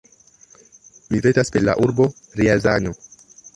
Mi vetas per la urbo Rjazanjo!